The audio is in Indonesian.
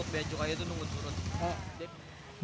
baju air itu nunggu turun